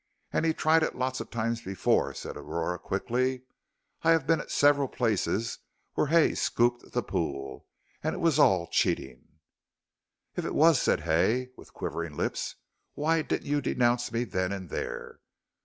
"And he's tried it lots of times before," said Aurora, quickly. "I have been at several places where Hay scooped the pool, and it was all cheating." "If it was," said Hay, with quivering lips, "why didn't you denounce me then and there?"